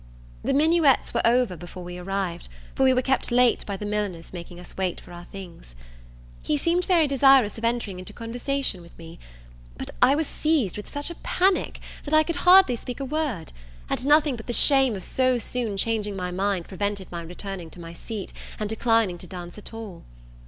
The minuets were over before we arrived, for we were kept late by the milliners making us wait for our things. He seemed very desirous of entering into conversation with me; but I was seized with such a panic, that I could hardly speak a word, and nothing but the shame of so soon changing my mind prevented my returning to my seat, and declining to dance at all.